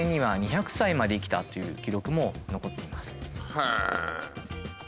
へえ！